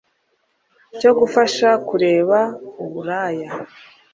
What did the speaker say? cyo gufasha kureka uburaya